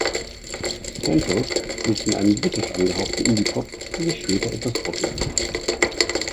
Campus pflegten einen britisch angehauchten Indie-Pop, der sich später etwas rockiger entwickelte.